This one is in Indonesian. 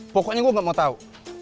pokoknya gue gak mau tahu